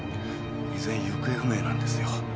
依然行方不明なんですよ。